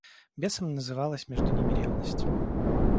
Бесом называлась между ними ревность.